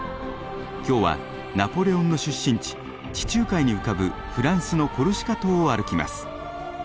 今日はナポレオンの出身地地中海に浮かぶフランスのコルシカ島を歩きます。